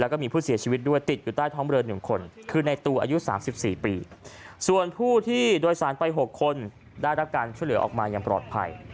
แล้วก็มีผู้เสียชีวิตด้วยติดอยู่ใต้ท้องเรือ๑คนคือในตูอายุ๓๔ปีส่วนผู้ที่โดยสารไป๖คนได้รับการช่วยเหลือออกมาอย่างปลอดภัย